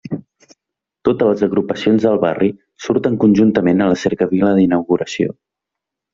Totes les agrupacions del barri surten conjuntament a la cercavila d'inauguració.